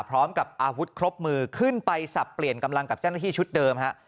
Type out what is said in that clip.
พร้อมกับอาวุธครบมือขึ้นไปสับเปลี่ยนกำลังกับเจ้าหน้าที่ชุดเดิมฮะ